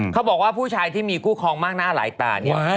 เขาบอกว่าผู้ชายที่มีคู่ครองมากหน้าหลายตาเนี่ย